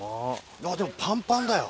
でもパンパンだよ。